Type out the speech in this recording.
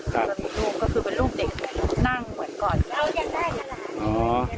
ก็คือเป็นรูปเด็กนั่งเหมือนก่อน